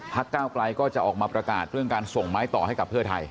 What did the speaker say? ก้าวไกลก็จะออกมาประกาศเรื่องการส่งไม้ต่อให้กับเพื่อไทย